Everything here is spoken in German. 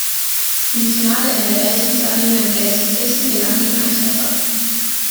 Im Finale in der Veltins-Arena in Gelsenkirchen gelang ihm ein Treffer.